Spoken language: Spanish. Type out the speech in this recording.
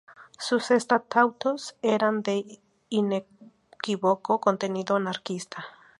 Sus estatutos eran de inequívoco contenido anarquista.